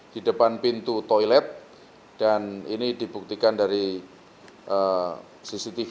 di depan pintu toilet dan ini dibuktikan dari cctv